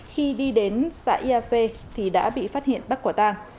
khi đi đến xã ea phe thì đã bị phát hiện bắt quả tàng